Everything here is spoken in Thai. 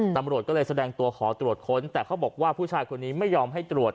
ตำรวจก็เลยแสดงตัวขอตรวจค้นแต่เขาบอกว่าผู้ชายคนนี้ไม่ยอมให้ตรวจ